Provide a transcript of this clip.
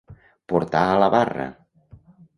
Portar a la barra.